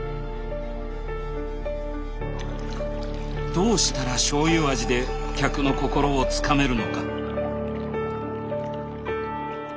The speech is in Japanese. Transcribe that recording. どうしたら醤油味で客の心をつかめるのか。